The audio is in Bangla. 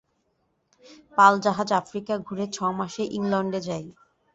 পাল-জাহাজ আফ্রিকা ঘুরে ছ-মাসে ইংলণ্ডে যায়।